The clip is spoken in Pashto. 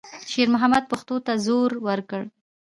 شېرمحمد پښو ته زور ورکړ.